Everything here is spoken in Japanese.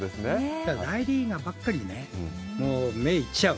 大リーガーばっかりね、目いっちゃう。